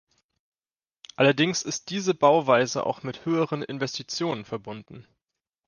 Allerdings ist diese Bauweise auch mit höheren Investitionen verbunden.